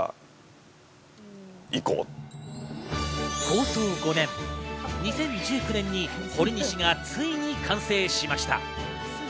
構想５年、２０１９年にほりにしがついに完成しました。